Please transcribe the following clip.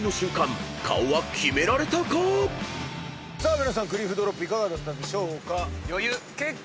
皆さんクリフ・ドロップいかがだったでしょうか？